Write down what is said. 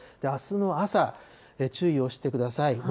あすの朝、注意をしてください。